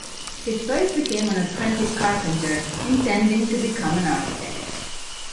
He first became an apprentice carpenter, intending to become an architect.